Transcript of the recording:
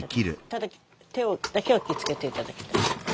ただ手だけは気をつけていただきたい。